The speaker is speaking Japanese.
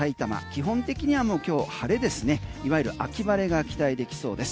基本的にはもう今日晴れですねいわゆる秋晴れが期待できそうです。